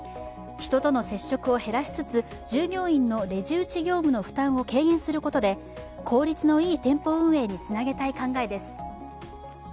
人との接触をへらしつつ従業員のレジ打ち業務の負担を軽減することで効率のいい店舗運営につなげたい考えです。